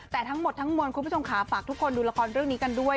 แต่ทั้งหมดทั้งมวลคุณผู้ชมค่ะฝากทุกคนดูละครเรื่องนี้กันด้วย